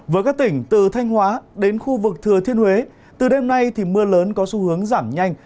với các tỉnh từ thanh hóa đến khu vực thừa thiên huế từ đêm nay thì mưa lớn có xu hướng giảm nhanh